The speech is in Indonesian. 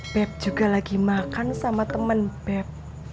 beb juga lagi makan sama temen beb